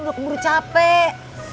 udah keburu capek